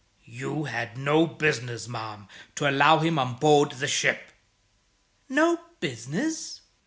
"You had no business, ma'am, to allow him on board the ship." "No business?"